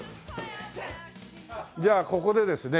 じゃあここでですね